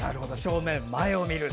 正面、前を見る。